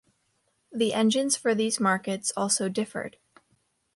The engines for these markets also differed.